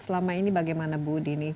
selama ini bagaimana bu dini